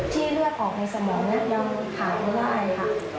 ที่เลือกออกในสมองยังขาวได้ค่ะ